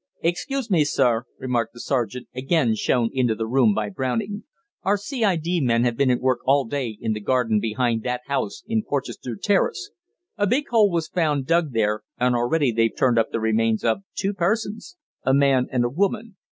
"Excuse me, sir," remarked the sergeant, again shown into the room by Browning. "Our C.I.D. men have been at work all day in the garden behind that house in Porchester Terrace. A big hole was found dug there, and already they've turned up the remains of two persons a man and a woman.